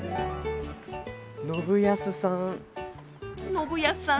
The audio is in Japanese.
信康さん